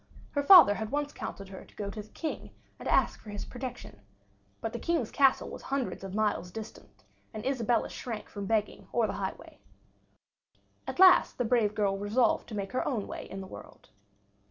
Her father had once counseled her to go to the King and ask for his protection; but the King's castle was hundreds of miles distant, and Isabella shrank from begging or the highway. At last the brave girl resolved to make her own way in the world.